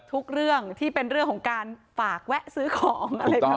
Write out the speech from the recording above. ทุกเรื่องที่เป็นเรื่องของการฝากแวะซื้อของ